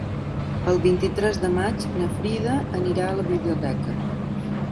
El vint-i-tres de maig na Frida anirà a la biblioteca.